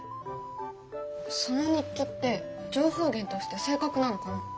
その日記って情報源として正確なのかな？